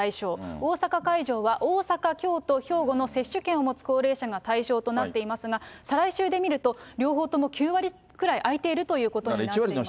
大阪会場は、大阪、京都、兵庫の接種券を持つ高齢者が対象となっていますが、再来週で見ると、両方とも９割くらい空いているということになっています。